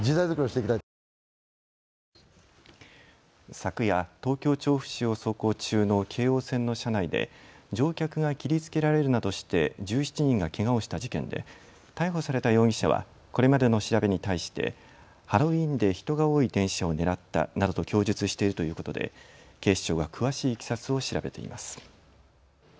昨夜、東京調布市を走行中の京王線の車内で乗客が切りつけられるなどして１７人がけがをした事件で逮捕された容疑者はこれまでの調べに対してハロウィーンで人が多い電車を狙ったなどと供述しているということで警視庁が詳しいいきさつを調べています。